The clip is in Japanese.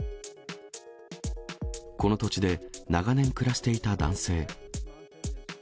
この土地で、長年暮らしていた男性。